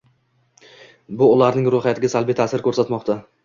bu ularning ruhiyatiga salbiy ta’sir ko’rsatmoqda.